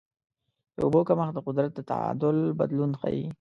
د اوبو کمښت د قدرت د تعادل بدلون ښيي.